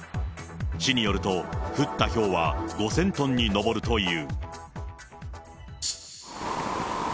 市によると、降ったひょうは５０００トンに上るという。